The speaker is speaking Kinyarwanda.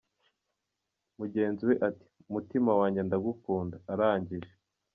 mugenzi we ati “Mutima wanjye, ndagukunda”, arangije